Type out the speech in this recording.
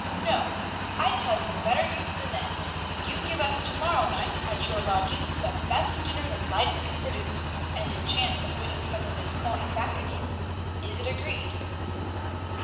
No, I'll tell you a better use than this, you give us to morrow night at your lodging the best dinner that Leyden can produce, and a chance of winning some of this coin back again. Is it agreed?"